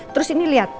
terus ini liat